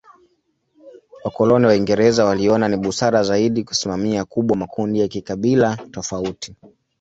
Wakoloni Waingereza waliona ni busara zaidi ya kusimamia kubwa makundi ya kikabila tofauti.